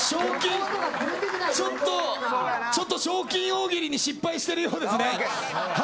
ちょっと賞金大喜利に失敗してるようですね。